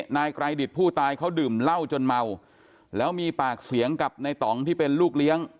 นายไกรดิตผู้ตายเขาดื่มเหล้าจนเมาแล้วมีปากเสียงกับในต่องที่เป็นลูกเลี้ยง